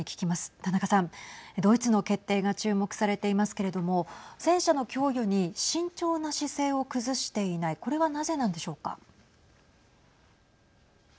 田中さん、ドイツの決定が注目されていますけれども戦車の供与に慎重な姿勢を崩していないこれはなぜなんでしょうか。